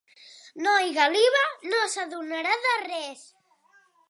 No hi galiva: no s'adonarà de res.